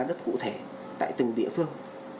giá đất cụ thể tại từng địa phương